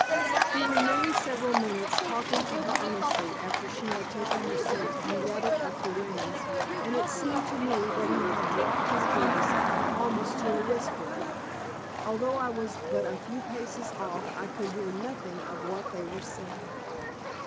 He remained several minutes talking to her earnestly after she had taken her seat and gathered up the reins, and it seemed to me that he had dropped his voice almost to a whisper. Although I was but a few paces off I could hear nothing of what they were saying.